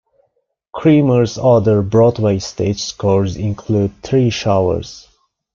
Creamer's other Broadway stage scores include "Three Showers".